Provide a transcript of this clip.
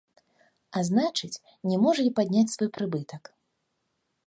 А значыць, не можа і падняць свой прыбытак.